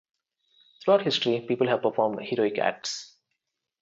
Throughout history, people have performed heroic acts.